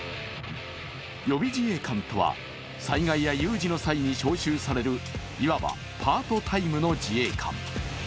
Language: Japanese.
予備自衛官とは災害や有事の際に召集される、いわばパートタイムの自衛官。